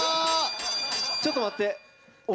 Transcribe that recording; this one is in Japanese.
ちょっと待って。